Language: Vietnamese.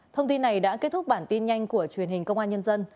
thông tin này đã kết thúc bản tin nhanh của truyền hình công an nhân dân